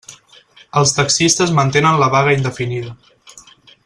Els taxistes mantenen la vaga indefinida.